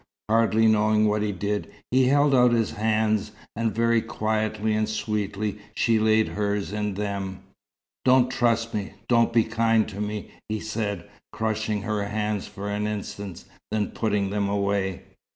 Hardly knowing what he did, he held out his hands, and very quietly and sweetly she laid hers in them. "Don't trust me don't be kind to me," he said, crushing her hands for an instant, then putting them away.